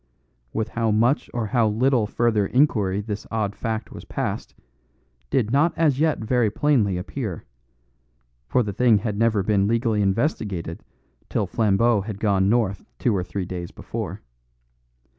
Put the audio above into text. With how much or how little further inquiry this odd fact was passed, did not as yet very plainly appear; for the thing had never been legally investigated till Flambeau had gone north two or three days before.